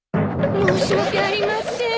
申し訳ありません。